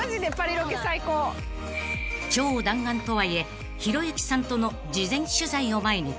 ［超弾丸とはいえひろゆきさんとの事前取材を前に］